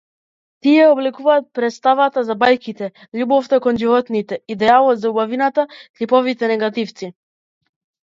Тие ја обликуваа претставата за бајките, љубовта кон животните, идеалот за убавината, типовите негативци.